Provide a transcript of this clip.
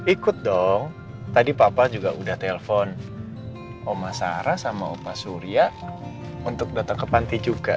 ikut dong tadi papa juga udah telpon oma sarah sama pak surya untuk datang ke panti juga